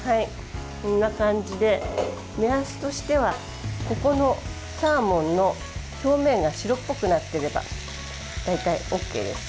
こんな感じで、目安としてはサーモンの表面が白っぽくなっていれば大体ＯＫです。